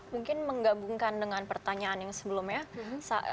mungkin menggabungkan dengan pertanyaan yang sebelumnya